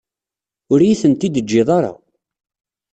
Ur iyi-tent-id-teǧǧiḍ ara.